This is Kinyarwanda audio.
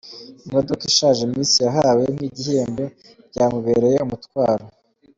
Imodoka ishaje Miss yahawe nk’igihembo byamubereye umutwaro.